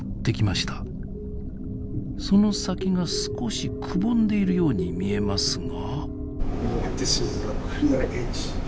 その先が少しくぼんでいるように見えますが。